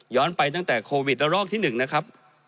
ไปตั้งแต่โควิดละรอกที่๑นะครับ